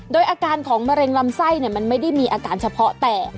โดยอาการของมะเร็งลำไส้มันไม่ได้มีอาการเฉพาะแต่